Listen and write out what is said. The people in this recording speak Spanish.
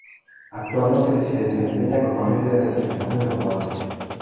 Actualmente se desempeña como Agente de representación de jugadores.